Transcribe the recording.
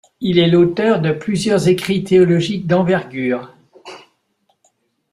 Il est l'auteur de plusieurs écrits théologiques d'envergure.